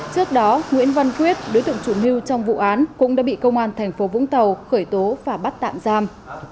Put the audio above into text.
trước đó nguyễn văn quyết đối tượng chủ mưu trong vụ án cũng đã bị công an thành phố vũng tàu khởi tố và bắt tạm giam